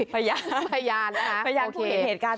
พยานมั้ยคะโอเคพยานพยานคุยเหตุการณ์